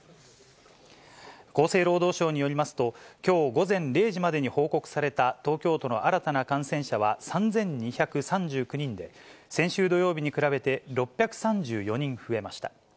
厚生労働省によりますと、きょう午前０時までに報告された東京都の新たな感染者は３２３９人で、先週土曜日に比べて、６３４人増えました。